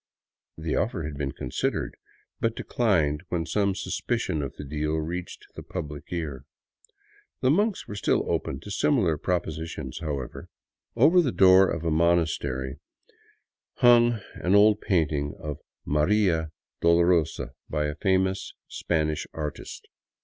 The offer had been considered, but declined when some suspicion of the deal reached the public ear. The monks were still open to similar propositions, however. Over a door of the monastery hung an old painting of " Maria Dolorosa " by a famous Spanish artist.